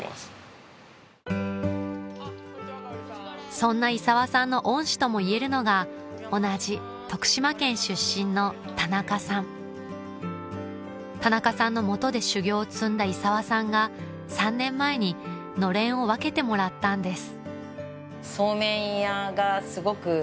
そんな伊澤さんの恩師ともいえるのが同じ徳島県出身の田中さん田中さんの下で修業を積んだ伊澤さんが３年前にのれんを分けてもらったんです